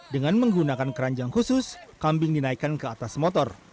dengan menggunakan keranjang khusus kambing dinaikkan ke atas motor